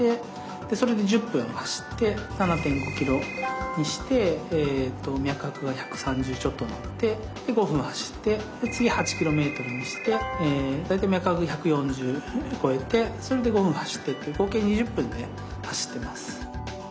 それで１０分走って７．５ｋｍにして脈拍は１３０ちょっとになって５分走って次は８ｋｍにして大体脈拍１４０超えてそれで５分走って合計２０分で走ってます。